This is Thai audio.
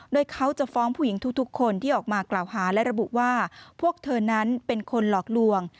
โดยเขาจะฟ้องผู้หญิงทุกคนที่ออกมากล่าวหาและระบุว่าพวกเธอนั้นเป็นคนหลอกลวง